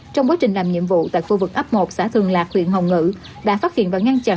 trong quá trình làm nhiệm vụ tại khu vực ấp một xã thường lạc huyện hồng ngự đã phát hiện và ngăn chặn